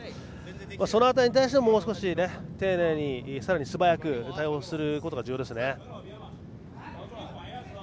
その辺りに対してもう少し丁寧にさらに素早く対応することが重要ですね。